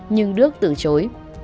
nhưng đước từ chối